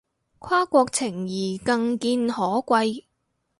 跨國情誼更見可貴